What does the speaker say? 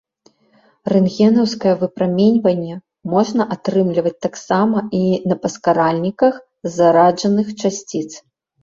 Рэнтгенаўскае выпраменьванне можна атрымліваць таксама і на паскаральніках зараджаных часціц.